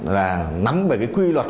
là nắm về cái quy luật